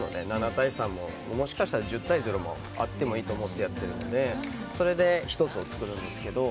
７対３も、もしかしたら１０対０もあっていいと思ってやっているのでそれで、１つ作るんですけど。